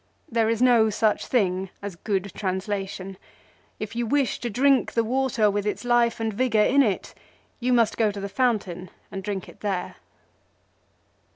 There is no such thing as good translation. If you wish to drink the water with its life and vigour in it, you must go to the fountain and drink it there.